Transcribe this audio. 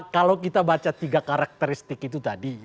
kalau kita baca tiga karakteristik itu tadi